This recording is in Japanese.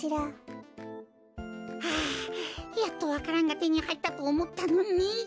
はあやっとわか蘭がてにはいったとおもったのに。